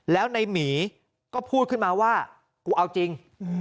แล้วในหมีก็พูดขึ้นมาว่ากูเอาจริง